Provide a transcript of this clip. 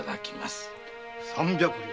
三百両！